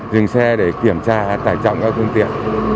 dừng xe để kiểm tra tải trọng các phương tiện